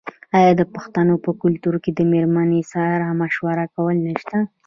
آیا د پښتنو په کلتور کې د میرمنې سره مشوره کول نشته؟